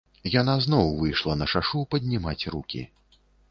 Яна зноў выйшла на шашу паднімаць рукі.